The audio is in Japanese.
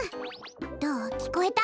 どうきこえた？